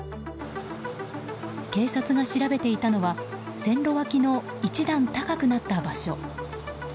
警察が調べていたのは線路脇の１段高くなった場所。